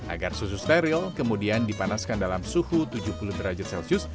agar susu steril kemudian dipanaskan dalam suhu tujuh puluh derajat celcius